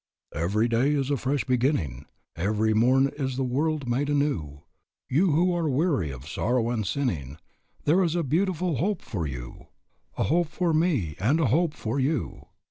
"Every day is a fresh beginning, Every morn is the world made new; You who are weary of sorrow and sinning, Here is a beautiful hope for you, A hope for me and a hope for you.